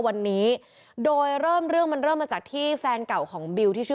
วันนี้โดยเริ่มเรื่อง